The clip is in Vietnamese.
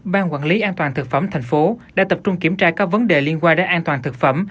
ban quản lý an toàn thực phẩm thành phố đã tập trung kiểm tra các vấn đề liên quan đến an toàn thực phẩm